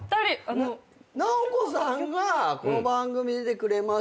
ナオコさんがこの番組出てくれます。